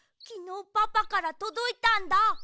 きのうパパからとどいたんだ。